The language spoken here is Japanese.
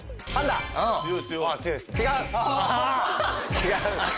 違う。